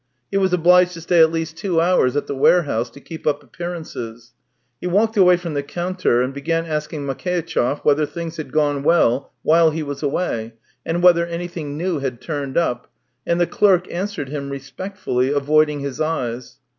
He was obliged to stay at least two hours at the warehouse to keep up appearances. He walked away from the counter and began asking Makeitchev whether things had gone well while he was away, and whether anything new had turned up, and the clerk answered him respectfully, avoiding his eyes.